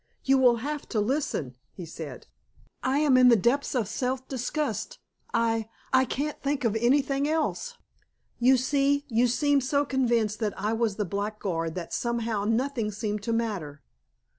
"You will have to listen," he said. "I am in the depths of self disgust. I I can't think of anything else. You see, you seemed so convinced that I was the blackguard that somehow nothing seemed to matter."